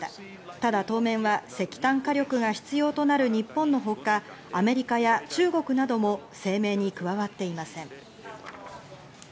ただ当面は石炭火力が必要となる日本のほか、アメリカや中国なども声明に加わっていません。